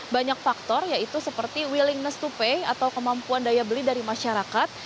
banyak faktor yaitu seperti willingness to pay atau kemampuan daya beli dari masyarakat